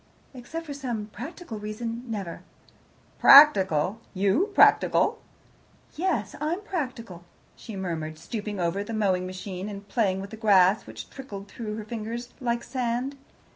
"Except for some practical reason never." "Practical! You practical!" "Yes, I'm practical," she murmured, stooping over the mowing machine and playing with the grass which trickled through her fingers like sand.